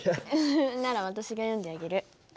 なら私が読んであげる。